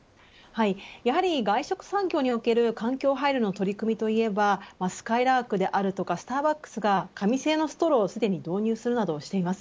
やはり外食産業における環境配慮の取り組みといえばすかいらーくであるとかスターバックスが紙製のストローを導入しています。